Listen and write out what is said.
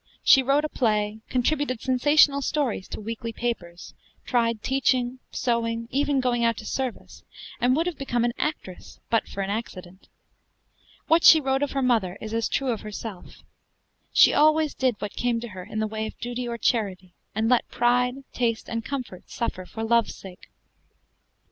She wrote a play, contributed sensational stories to weekly papers, tried teaching, sewing, even going out to service, and would have become an actress but for an accident. What she wrote of her mother is as true of herself, "She always did what came to her in the way of duty or charity, and let pride, taste, and comfort suffer for love's sake."